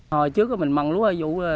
hồi trước mình mặn lúa ở vụ